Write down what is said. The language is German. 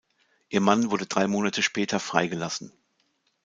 Ihr Mann wurde drei Monate später freigelassen.